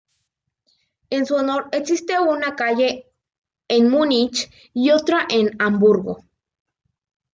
En su honor existe una calle en Múnich y otra en Hamburgo.